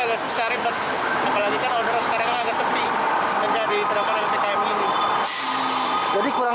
agak susah ribet apalagi kan udah sekarang agak sepi menjadi terdapat yang ptm ini jadi kurang